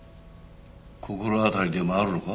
心当たりでもあるのか？